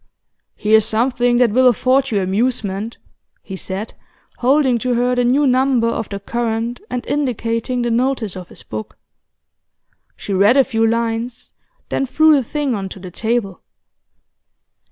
'Here's something that will afford you amusement,' he said, holding to her the new number of The Current, and indicating the notice of his book. She read a few lines, then threw the thing on to the table.